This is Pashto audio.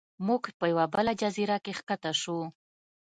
موږ په یوه بله جزیره کې ښکته شو.